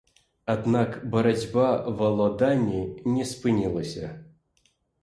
Аднак барацьба ва ўладанні не спынілася.